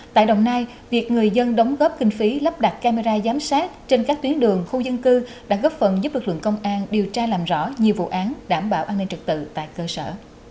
tại đồng nai việc người dân đóng góp kinh phí lắp đặt camera giám sát trên các tuyến đường khu dân cư đã góp phần giúp lực lượng công an điều tra làm rõ nhiều vụ án đảm bảo an ninh trực tự tại cơ sở